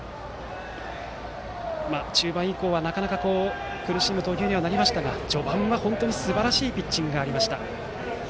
中盤以降は、なかなか苦しむ投球にはなりましたが序盤は本当にすばらしいピッチングがありました。